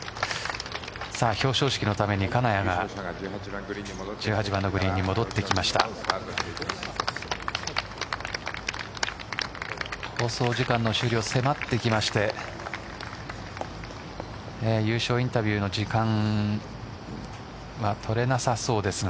表彰式のために金谷が１８番のグリーンに放送時間の終了迫ってきまして優勝インタビューの時間が取れなさそうですが。